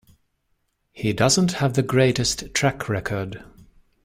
He doesn't have the greatest track record.